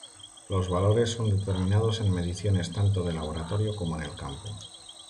Los valores son determinados en mediciones tanto de laboratorio como en el campo.